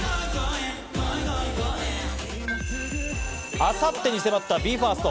明後日に迫ったＢＥ：ＦＩＲＳＴ